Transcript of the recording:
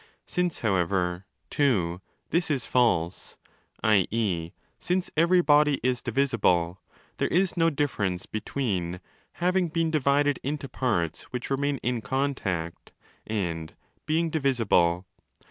Since, however, (ii) this is false, i.e. since every body is divisible, there is no difference be tween 'having been divided into parts which remain in contact' and 'being divisible'.